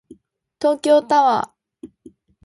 東京タワー